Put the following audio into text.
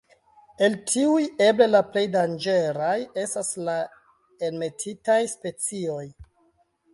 El tiuj, eble la plej danĝeraj estas la enmetitaj specioj.